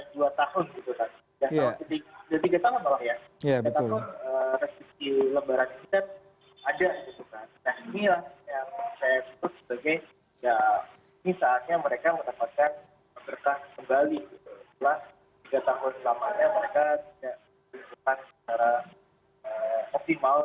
setelah tiga tahun lamanya mereka tidak melakukan secara optimal